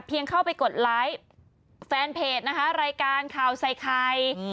เข้าไปกดไลค์แฟนเพจนะคะรายการข่าวใส่ไข่